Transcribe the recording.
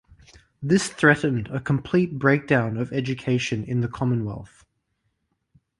This threatened a complete breakdown of education in the Commonwealth.